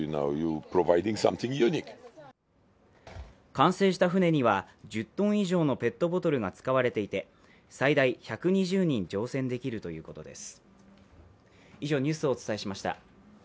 完成した船には１０ｔ以上のペットボトルが使われていて最大１２０人乗船できるということです。